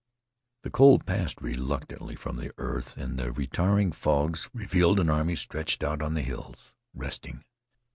The cold passed reluctantly from the earth, and the retiring fogs revealed an army stretched out on the hills, resting.